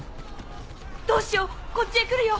どうしようこっちへ来るよ！